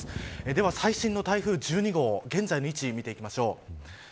では、最新の台風１２号現在の位置、見ていきましょう。